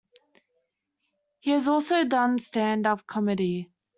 He has also done stand-up comedy.